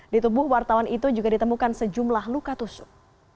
di tubuh wartawan itu juga ditemukan sejumlah luka tusuk